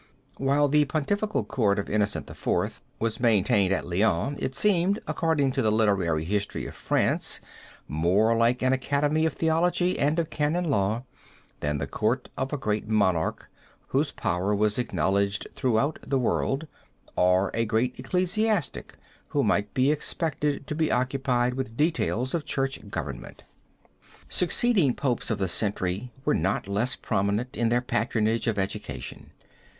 While the pontifical court of Innocent IV. was maintained at Lyons it seemed, according to the Literary History of France, [Footnote 3] more like an academy of theology and of canon law than the court of a great monarch whose power was acknowledged throughout the world, or a great ecclesiastic who might be expected to be occupied with details of Church government. [Footnote 3: Histoire Litteratire de la France, Vol. XVI, Introductory Discourse.] Succeeding Popes of the century were not less prominent in their patronage of education.